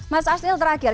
mas asnil terakhir